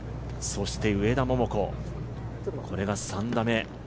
上田桃子、これが３打目。